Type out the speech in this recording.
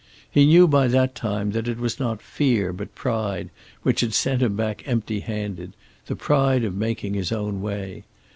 He knew by that time that it was not fear, but pride, which had sent him back empty handed, the pride of making his own way.